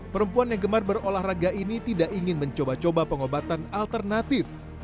perempuan yang gemar berolahraga ini tidak ingin mencoba coba pengobatan alternatif